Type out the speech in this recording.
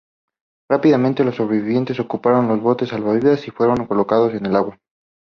Rápidamente los sobrevivientes ocuparon los botes salvavidas y fueron colocados en el agua.